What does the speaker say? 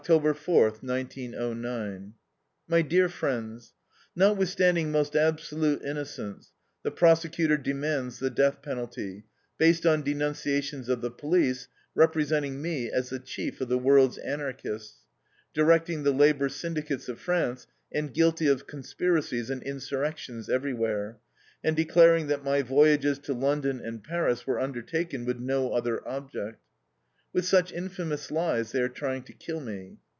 4, 1909. My dear Friends Notwithstanding most absolute innocence, the prosecutor demands the death penalty, based on denunciations of the police, representing me as the chief of the world's Anarchists, directing the labor syndicates of France, and guilty of conspiracies and insurrections everywhere, and declaring that my voyages to London and Paris were undertaken with no other object. With such infamous lies they are trying to kill me.